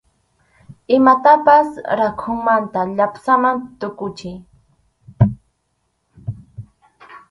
Imatapas rakhumanta llapsaman tukuchiy.